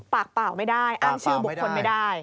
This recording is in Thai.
ปากเปล่าไม่ได้อ้างชื่อบุคคลไม่ได้